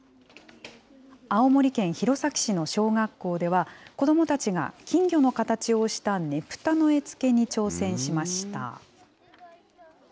青森県弘前市の小学校では、子どもたちが金魚の形をしたねぷたの絵付けに挑戦しました。